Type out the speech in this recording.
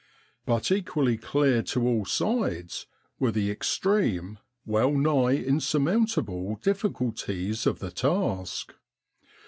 But equally clear to all sides were the extreme, well nigh insurmountable, difficulties of the task.